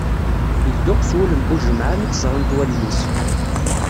Ydduqes wul n Buǧemεa mi tt-ẓrant wallen-is.